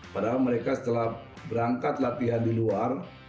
padahal mereka setelah berangkat latihan di luar